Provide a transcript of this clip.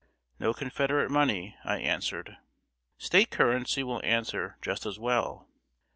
"No Confederate money," I answered. "State currency will answer just as well."